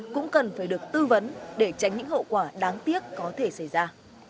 cũng cần phải được tư vấn để tránh những hậu quả đáng tiếc có thể xảy ra